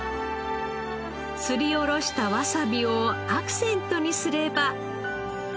すりおろしたわさびをアクセントにすれば。